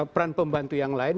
peran pembantu yang lain